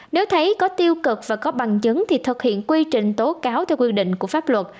nếu thấy có tiêu cực và có bằng chứng thì thực hiện quy trình tố cáo theo quy định của pháp luật